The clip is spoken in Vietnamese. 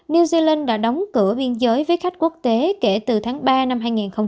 new zealand đã đóng cửa biên giới với khách quốc tế kể từ tháng ba năm hai nghìn hai mươi